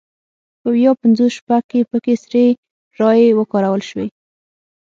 په ویا پینځوس شپږ کې پکې سري رایې وکارول شوې.